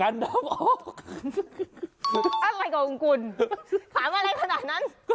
อะไรกับวงกุลขอบอะไรขนาดนั้น